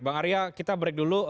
bang arya kita break dulu